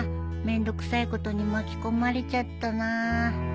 めんどくさいことに巻き込まれちゃったな